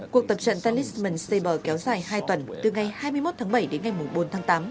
cuộc tập trận talisman saber kéo dài hai tuần từ ngày hai mươi một tháng bảy đến ngày bốn tháng tám